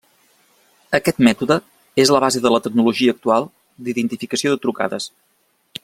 Aquest mètode és la base de la tecnologia actual d'identificació de trucades.